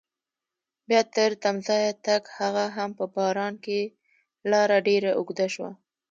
بیا تر تمځایه تګ هغه هم په باران کې لاره ډېره اوږده شوه.